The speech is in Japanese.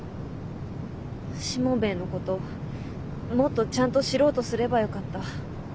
しもべえのこともっとちゃんと知ろうとすればよかった。